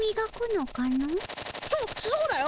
そそうだよ